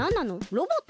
ロボット？